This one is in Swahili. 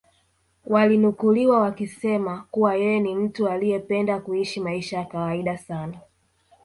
walinukuliwa wakisema kuwa yeye ni mtu aliyependa kuishi maisha ya kawaida sana